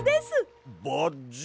バッジ？